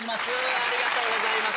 ありがとうございます。